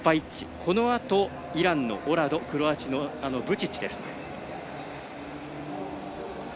このあと、イランのオラドクロアチアのブチッチです。